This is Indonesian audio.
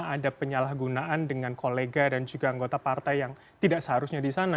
ada penyalahgunaan dengan kolega dan juga anggota partai yang tidak seharusnya di sana